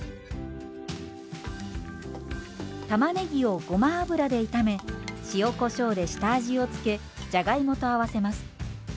たまねぎをごま油で炒め塩こしょうで下味を付けじゃがいもと合わせます。